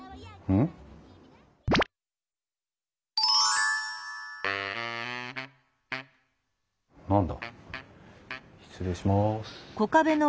うん？何だ？